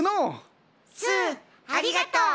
スーありがとう。